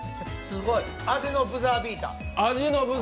すごい！味のブザービーター。